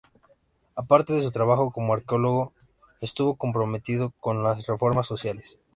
Aparte de su trabajo como arqueóloga, estuvo comprometida con las reformas sociales.